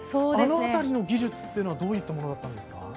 あの辺りの技術はどういったものだったんですか？